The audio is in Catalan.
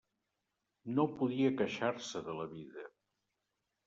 No podia queixar-se de la vida.